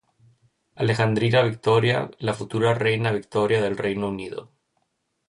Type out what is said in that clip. Alejandrina Victoria, la futura reina Victoria del Reino Unido.